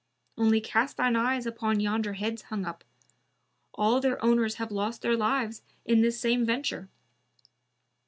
Only cast shine eyes upon yonder heads hung up; all their owners have lost their lives in this same venture."